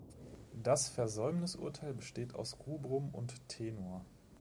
Das Versäumnisurteil besteht aus Rubrum und Tenor.